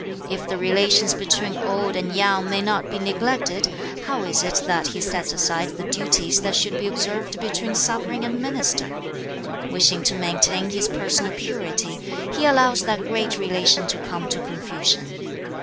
If the relations between old and young may not be neglected, how is it that he sets aside the duties that should be observed between sovereign and minister? Wishing to maintain his personal purity, he allows that great relation to come to confusion.